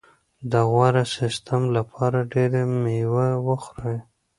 د غوره سیستم لپاره ډېره مېوه وخورئ.